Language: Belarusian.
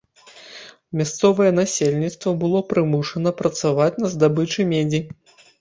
Мясцовае насельніцтва было прымушана працаваць на здабычы медзі.